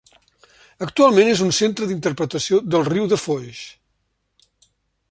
Actualment és un centre d'interpretació del riu de Foix.